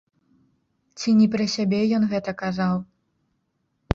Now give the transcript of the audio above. Ці не пра сябе ён гэта казаў?